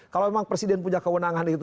kalau memang presiden punya kewenangan itu